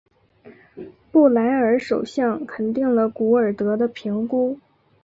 布莱尔首相肯定了古尔德的评估。